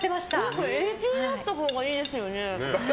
これ永久にあったほうがいいですよね。